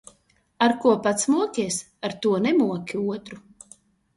Ar ko pats mokies, ar to nemoki otru.